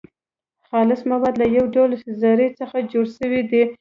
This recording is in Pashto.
خالص مواد له يو ډول ذرو څخه جوړ سوي دي .